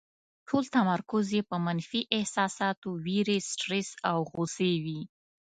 ټول تمرکز یې په منفي احساساتو، وېرې، سټرس او غوسې وي.